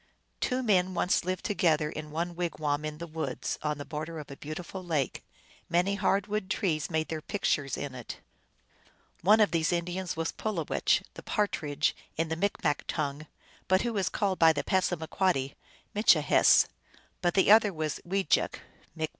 Two men once lived together in one wigwam in the woods, on the border of a beautiful lake. Many hard wood trees made their pictures in it. One of these Indians was Pulowech, the Partridge in the Micmac tongue, but who is called by the Passamaquoddy Mitchihess ; but the other was Wejek (M.)